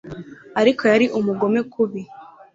Ariko yari umugome kubi